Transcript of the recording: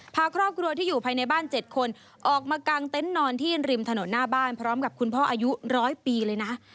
พาครอบครัวที่อยู่ภายในบ้าน๗คนออกมากางเต็นต์นอนที่ริมถนนหน้าบ้านพร้อมกับคุณพ่ออายุร้อยปีเลยนะ